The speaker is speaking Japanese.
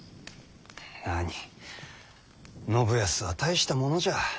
なに信康は大したものじゃ。